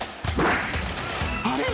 あれ？